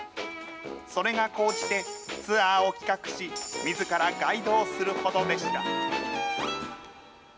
それが高じて、ツアーを企画し、みずからガイドをするほどでした。